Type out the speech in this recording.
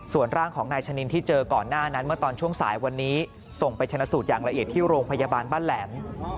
ส่วนร่างของนายชะนินที่เจอก่อนหน้านั้นเมื่อตอนช่วงสายวันนี้ส่งไปชนะสูตรอย่างละเอียดที่โรงพยาบาลบ้านแหลม